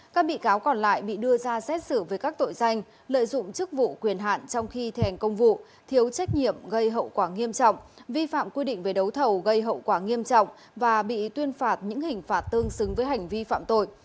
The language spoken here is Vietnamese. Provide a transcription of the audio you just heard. các bị cáo còn lại bị đưa ra xét xử về các tội danh lợi dụng chức vụ quyền hạn trong khi thành công vụ thiếu trách nhiệm gây hậu quả nghiêm trọng vi phạm quy định về đấu thầu gây hậu quả nghiêm trọng và bị tuyên phạt những hình phạt tương xứng với hành vi phạm tội